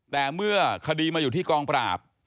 แต่เมื่อคดีมาอยู่ที่กองปราบ